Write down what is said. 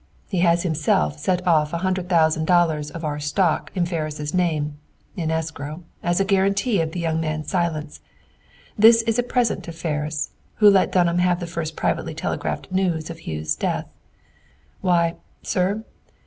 "He has himself set off a hundred thousand dollars of our stock, in Ferris' name (in escrow) as a guarantee of the young man's silence. This is a present to Ferris, who let Dunham have the first privately telegraphed news of Hugh's death. "Why, sir.